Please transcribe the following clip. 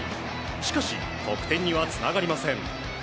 しかし、得点にはつながりません。